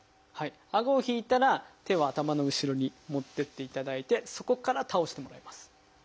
あごを引いたら手を頭の後ろに持ってっていただいてそこから倒してもらいます。